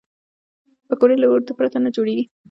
پکورې له آردو پرته نه جوړېږي